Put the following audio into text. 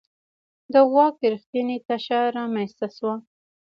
د واک رښتینې تشه رامنځته شوه.